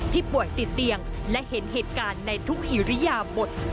ป่วยติดเตียงและเห็นเหตุการณ์ในทุกอิริยาบท